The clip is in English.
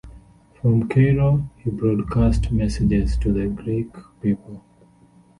From Cairo, he broadcast messages to the Greek people.